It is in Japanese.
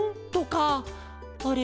あれ？